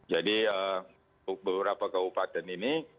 jadi beberapa kabupaten ini